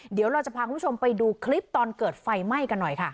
เดี๋ยวเราจะพาคุณผู้ชมไปดูคลิปตอนเกิดไฟไหม้กันหน่อยค่ะ